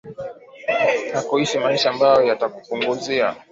na kuishi maisha ambayo yatakupunguzia